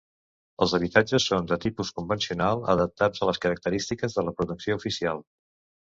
Els habitatges són de tipus convencional, adaptats a les característiques de la protecció oficial.